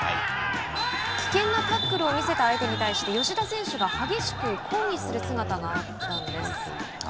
危険なタックルを見せた相手に対して吉田選手が激しく抗議する姿があったんです。